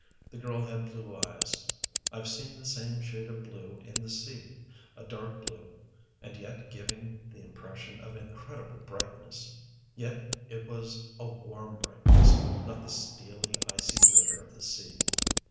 The girl had blue eyes. I've seen the same shade of blue in the sea, a dark blue and yet giving the impression of incredible brightness. Yet it was a warm brightness, not the steely, icy glitter of the sea.